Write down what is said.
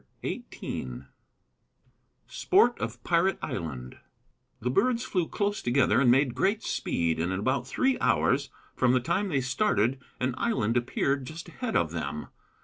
Sport of Pirate Island The birds flew close together and made great speed, and in about three hours from the time they started an island appeared just ahead of them.